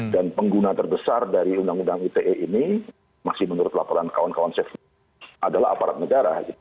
dan pengguna terbesar dari undang undang ite ini masih menurut laporan kawan kawan saya adalah aparat negara